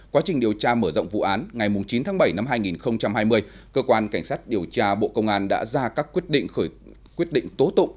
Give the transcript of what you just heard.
quá trình điều tra mở rộng vụ án ngày chín tháng bảy năm hai nghìn hai mươi cơ quan cảnh sát điều tra bộ công an đã ra các quyết định tố tụng